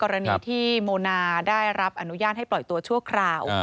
กรณีที่โมนาได้รับอนุญาตให้ปล่อยตัวชั่วคราว